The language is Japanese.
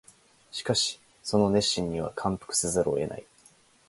しかしその熱心には感服せざるを得ない